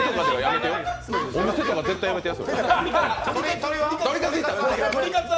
お店とか絶対やめてよ。